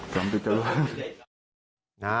กรรมติดจรวด